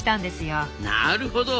なるほど。